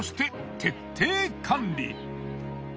徹底管理。